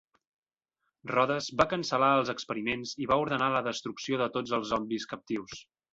Rhodes va cancel·lar els experiments i va ordenar la destrucció de tots els zombis captius.